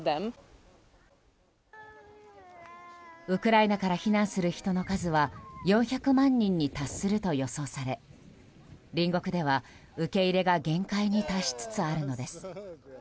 ウクライナから避難する人の数は４００万人に達すると予想され隣国では受け入れが限界に達しつつあるのです。